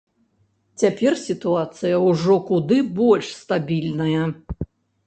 Цяпер сітуацыя ўжо куды больш стабільная.